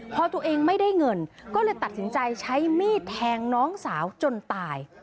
พอตัวเองไม่ได้เงินก็เลยตัดสินใจใช้มีดแทงน้องสาวจนตาย